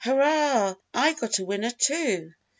"Hurrah, I got a winner, too!